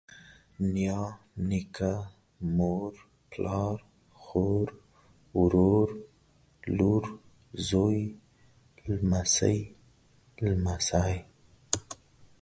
نيا، نيکه، مور، پلار، خور، ورور، لور، زوى، لمسۍ، لمسى